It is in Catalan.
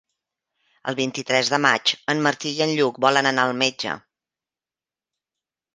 El vint-i-tres de maig en Martí i en Lluc volen anar al metge.